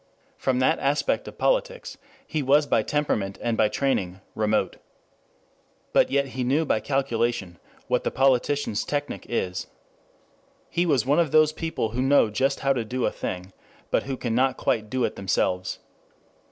From that aspect of politics he was by temperament and by training remote. But yet he knew by calculation what the politician's technic is. He was one of those people who know just how to do a thing, but who can not quite do it themselves.